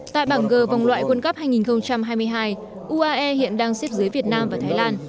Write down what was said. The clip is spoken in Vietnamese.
tại bảng g vòng loại world cup hai nghìn hai mươi hai uae hiện đang xếp dưới việt nam và thái lan